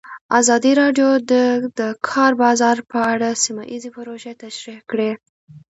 ازادي راډیو د د کار بازار په اړه سیمه ییزې پروژې تشریح کړې.